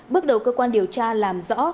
bước đầu cơ quan điều tra làm rõ